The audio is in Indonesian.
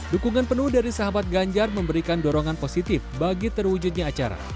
dukungan penuh dari sahabat ganjar memberikan dorongan positif bagi terwujudnya acara